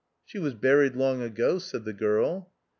" She was buried long ago," said the girl.